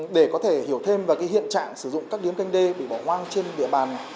để có thể hiểu thêm về hiện trạng sử dụng các điếm canh đê bị bỏ hoang trên địa bàn